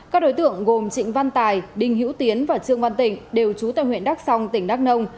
các đối tượng gồm trịnh văn tài đinh hữu tiến và trương văn tỉnh đều trú tại huyện đắk sông tỉnh đắk nông